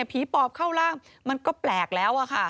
ปอบเข้าร่างมันก็แปลกแล้วอะค่ะ